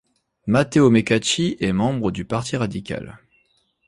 Matteo Mecacci est membre du Parti radical.